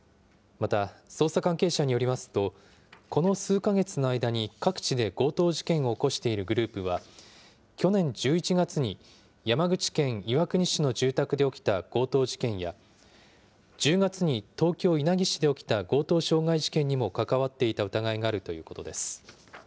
また、捜査関係者によりますと、この数か月の間に各地で強盗事件を起こしているグループは、去年１１月に山口県岩国市の住宅で起きた強盗事件や、１０月に東京・稲城市で起きた強盗傷害事件にも関わっていた疑いがあるということです。